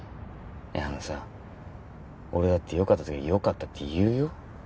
あのさ俺だってよかった時はよかったって言うよ